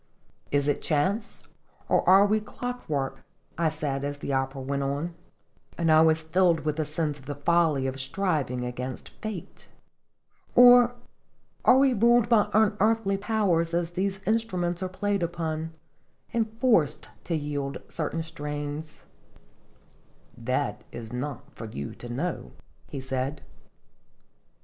Is it chance, or are we clock work?" I said, Singefc ittotljs. 47 as the opera went on, and I was filled with a sense of the folly of striving against fate. " Or are we ruled by unearthly powers, as these instruments are played upon" and forced to yield certain strains? "" That is not for you to know," he said.